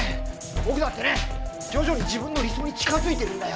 僕だってね徐々に自分の理想に近づいてるんだよ！